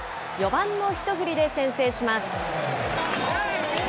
４番の一振りで先制します。